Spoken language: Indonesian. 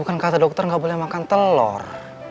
bukan kata dokter nggak boleh makan telur